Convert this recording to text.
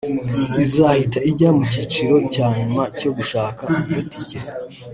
izahita ijya mu cyiciro cya nyuma cyo gushaka iyo tike